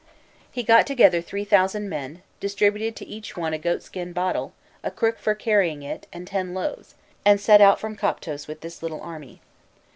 He got together three thousand men, distributed to each one a goatskin bottle, a crook for carrying it, and ten loaves, and set out from Koptos with this little army.